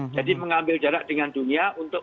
jadi mengambil jarak dengan dunia untuk